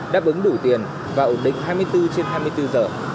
đáp ứng đủ tiền và ổn định hai mươi bốn trên hai mươi bốn giờ